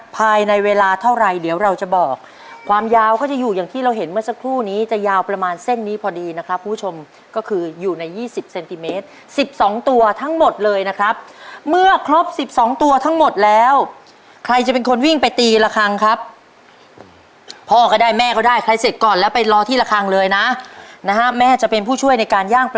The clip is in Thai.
ภายในเวลาเท่าไรเดี๋ยวเราจะบอกความยาวก็จะอยู่อย่างที่เราเห็นเมื่อสักครู่นี้จะยาวประมาณเส้นนี้พอดีนะครับคุณผู้ชมก็คืออยู่ใน๒๐เซนติเมตร๑๒ตัวทั้งหมดเลยนะครับเมื่อครบ๑๒ตัวทั้งหมดแล้วใครจะเป็นคนวิ่งไปตีละครั้งครับพ่อก็ได้แม่ก็ได้ใครเสร็จก่อนแล้วไปรอที่ละครั้งเลยนะนะฮะแม่จะเป็นผู้ช่วยในการย่างประ